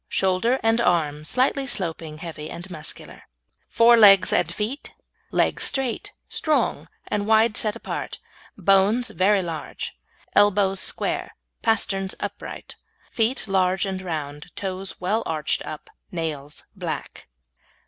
Shoulder and Arm Slightly sloping, heavy and muscular. FORE LEGS AND FEET Legs straight, strong, and set wide apart; bones very large. Elbows square. Pasterns upright. Feet large and round. Toes well arched up. Nails black.